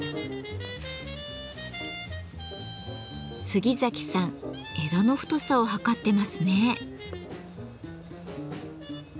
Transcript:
杉崎さん枝の太さを測ってますね。